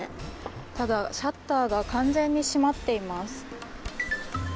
ただ、シャッターが完全に閉まっています。